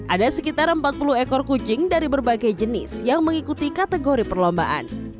ada sekitar empat puluh ekor kucing dari berbagai jenis yang mengikuti kategori perlombaan